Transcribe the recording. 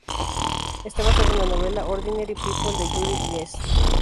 Está basada en la novela "Ordinary People" de Judith Guest.